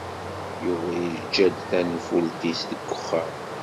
Yuba yeǧǧa-d tanfult-is deg uxxam.